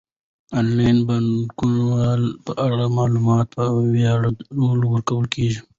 د انلاین بانکوالۍ په اړه معلومات په وړیا ډول ورکول کیږي.